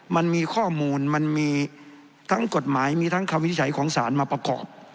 มันมีข้อมูลมันมีทั้งกฎหมายมีทั้งคำวินิจฉัยของศาลมาประกอบ